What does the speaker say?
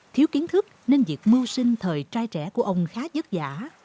thiếu kiến thức nên việc mưu sinh thời trai trẻ của ông khá dứt dã